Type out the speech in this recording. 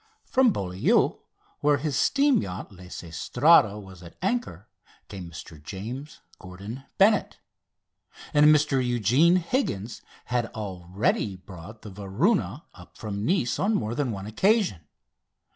From Beaulieu, where his steam yacht, Lysistrata, was at anchor, came Mr James Gordon Bennett, and Mr Eugene Higgins had already brought the Varuna up from Nice on more than one occasion.